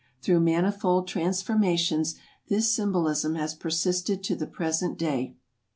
Through manifold transformations this symbolism has persisted to the present day.